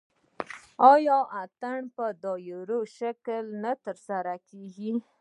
آیا اتن په دایروي شکل ترسره نه کیږي؟